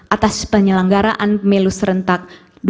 atas penyelenggaraan pemilu serentak